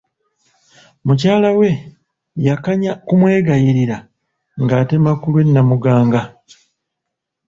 Mukyala we yakanya kumwegayirira ng'atema ku lw'e Namuganga.